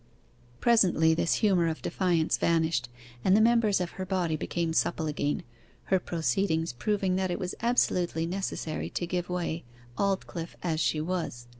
Presently this humour of defiance vanished, and the members of her body became supple again, her proceedings proving that it was absolutely necessary to give way, Aldclyffe as she was.